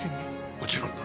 もちろんだ。